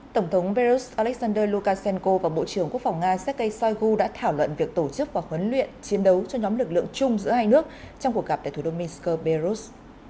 tổng thống belarus alexander lukashenko và bộ trưởng quốc phòng nga sergei shoigu đã thảo luận việc tổ chức và huấn luyện chiến đấu cho nhóm lực lượng chung giữa hai nước trong cuộc gặp tại thủ đô minsk beirut